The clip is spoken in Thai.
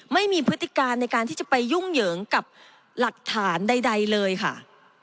พฤติการในการที่จะไปยุ่งเหยิงกับหลักฐานใดเลยค่ะ